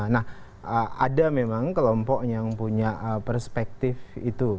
nah ada memang kelompok yang punya perspektif itu